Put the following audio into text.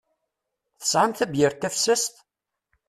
Tesɛam tabyirt tafessast?